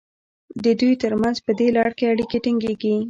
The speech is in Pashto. د دوی ترمنځ په دې لړ کې اړیکې ټینګیږي.